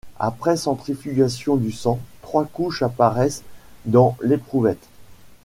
Après centrifugation du sang, trois couches apparaissent dans l'éprouvette.